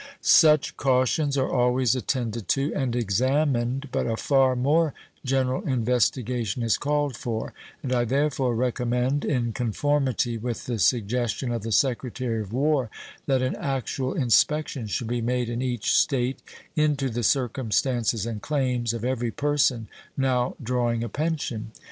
Such cautions are always attended to and examined, but a far more general investigation is called for, and I therefore recommend, in conformity with the suggestion of the Secretary of War, that an actual inspection should be made in each State into the circumstances and claims of every person now drawing a pension.